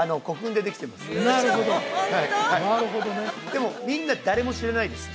でもみんな誰も知らないです